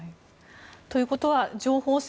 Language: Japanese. ということは情報戦